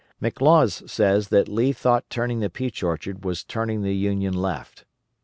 McLaws says that Lee thought turning the Peach Orchard was turning the Union left.